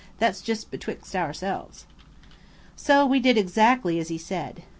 That's just betwixt ourselves." So we did exactly as he said.